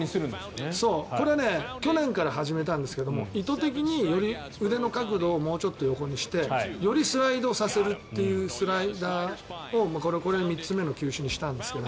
これは去年から始めたんですけど意図的に腕の角度をもうちょっとこうしてよりスライドさせるというスライダーをこれ、３つ目の球種にしたんですけど。